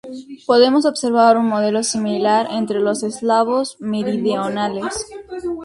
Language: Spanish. Podemos observar un modelo similar entre los eslavos meridionales.